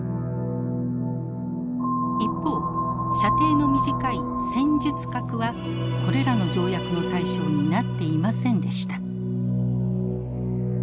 一方射程の短い戦術核はこれらの条約の対象になっていませんでした。